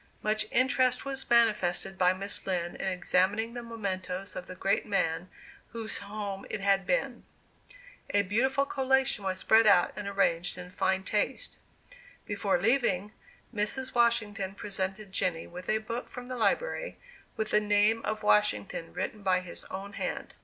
Much interest was manifested by Miss Lind in examining the mementoes of the great man whose home it had been. A beautiful collation was spread out and arranged in fine taste. Before leaving, Mrs. Washington presented Jenny with a book from the library, with the name of Washington written by his own hand.